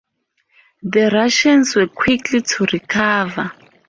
The Russians were quick to recover.